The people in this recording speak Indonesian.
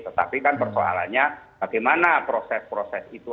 tetapi kan persoalannya bagaimana proses proses itu